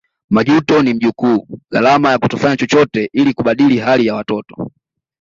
Majuto ni mjukuu gharama ya kutokufanya chochote ili kubadili hali ya watoto